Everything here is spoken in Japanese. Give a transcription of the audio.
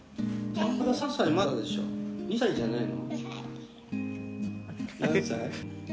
「３歳」「３歳まだでしょ。２歳じゃないの？」